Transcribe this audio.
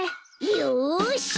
よし！